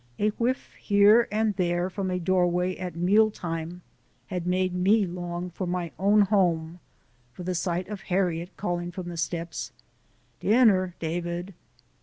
A whiff here and there from a doorway at mealtime had made me long for my own home, for the sight of Harriet calling from the steps: "Dinner, David."